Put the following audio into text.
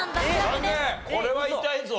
これは痛いぞ。